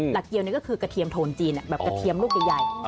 เกียวนี่ก็คือกระเทียมโทนจีนแบบกระเทียมลูกใหญ่